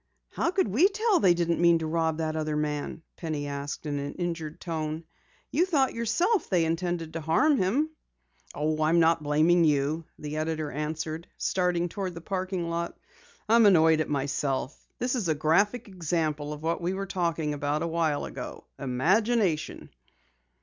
"How could we tell they didn't mean to rob that other man?" Penny asked in an injured tone. "You thought yourself that they intended to harm him." "Oh, I'm not blaming you," the editor answered, starting toward the parking lot. "I'm annoyed at myself. This is a graphic example of what we were talking about awhile ago imagination!"